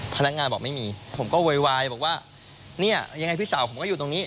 พนักงานบอกไม่มีผมก็โวยวายบอกว่าเนี่ยยังไงพี่สาวผมก็อยู่ตรงนี้